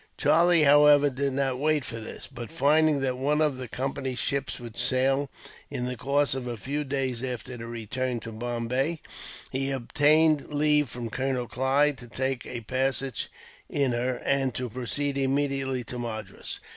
Charlie, however, did not wait for this; but, finding that one of the Company's ships would sail, in the course of a few days after their return to Bombay, he obtained leave from Colonel Clive to take a passage in her, and to proceed immediately to Madras.